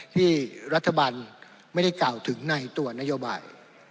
ที่รัฐบาลไม่ได้กล่าวถึงในตัวนโยบาย